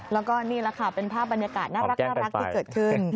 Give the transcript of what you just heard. แล้วก็นี่แหละค่ะเป็นภาพบรรยากาศน่ารักที่เกิดขึ้น